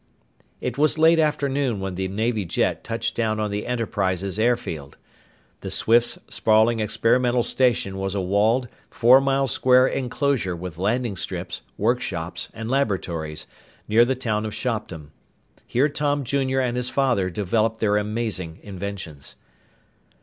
It was late afternoon when the Navy jet touched down on the Enterprises airfield. The Swifts' sprawling experimental station was a walled, four mile square enclosure with landing strips, work shops, and laboratories, near the town of Shopton. Here Tom Jr. and his father developed their amazing inventions.